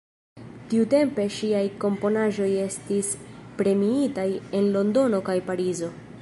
Tiutempe ŝiaj komponaĵoj estis premiitaj en Londono kaj Parizo.